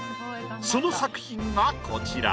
その作品がこちら。